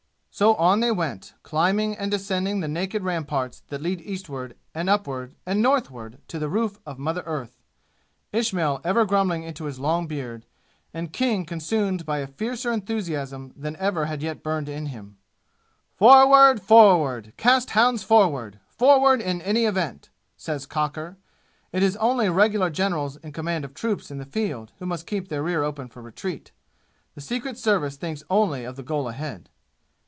So on they went, climbing and descending the naked ramparts that lead eastward and upward and northward to the Roof of Mother Earth Ismail ever grumbling into his long beard, and King consumed by a fiercer enthusiasm than ever had yet burned in him, "Forward! Forward! Cast hounds forward! Forward in any event!" says Cocker. It is only regular generals in command of troops in the field who must keep their rear open for retreat. The Secret Service thinks only of the goal ahead.